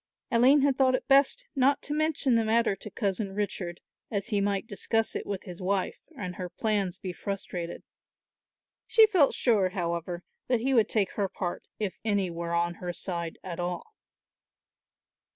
Aline had thought best not to mention the matter to Cousin Richard, as he might discuss it with his wife and her plans be frustrated. She felt sure, however, that he would take her part if any were on her side at all.